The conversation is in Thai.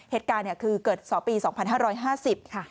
เหตุการณ์คือเกิดศอปี๒๕๕๐ค่ะ